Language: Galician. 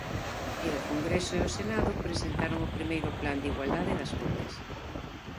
E o Congreso e o Senado presentaron o primeiro plan de igualdade das Cortes.